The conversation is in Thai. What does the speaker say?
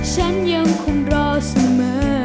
ฉันยังคงรอเสมอ